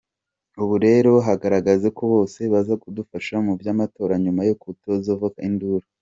"Ubu rero harageze ko bose baza kudufasha mu vy'amatora, nyuma yo kutuvuzako induru.